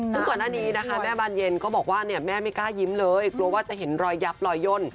ซึ่งก่อนหน้านี้นะคะแม่บานเย็นก็บอกว่าเนี่ยแม่ไม่กล้ายิ้มเลยกลัวว่าจะเห็นรอยยับรอยย่น